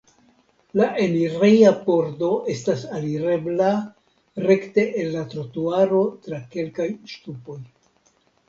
La enireja pordo estas alirebla rekte el la trotuaro tra kelkaj ŝtupoj.